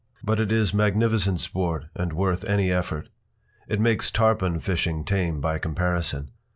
But it is magnificent sport and worth any effort. It makes tarpon fishing tame by comparison.